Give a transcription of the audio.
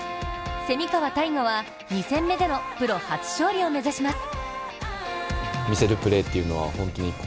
蝉川泰果は、２戦目でのプロ初勝利を目指します。